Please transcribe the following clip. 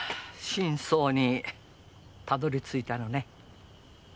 真相にたどり着いたのね。